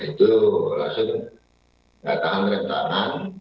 nah itu langsung gak tahan rentangan